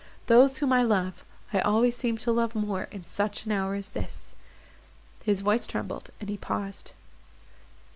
Those whom I love—I always seem to love more in such an hour as this." His voice trembled, and he paused.